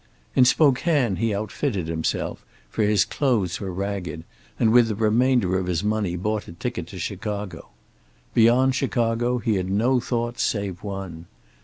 In Spokane he outfitted himself, for his clothes were ragged, and with the remainder of his money bought a ticket to Chicago. Beyond Chicago he had no thought save one.